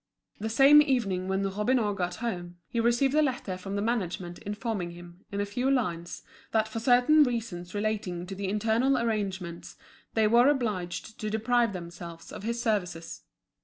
The same evening when Robineau got home he received a letter from the management informing him, in a few lines, that for certain reasons relating to the internal arrangements they were obliged to deprive themselves of his services.